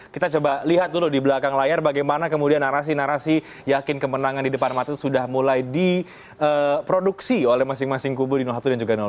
kita coba lihat dulu di belakang layar bagaimana kemudian narasi narasi yakin kemenangan di depan mata itu sudah mulai diproduksi oleh masing masing kubu di satu dan juga dua